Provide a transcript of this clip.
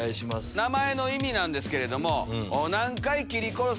名前の意味なんですけれども。